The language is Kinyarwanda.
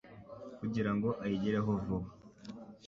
kugira ngo ayigereho vuba